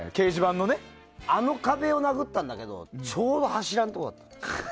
あの壁を殴ったんだけどちょうど柱のところだったの。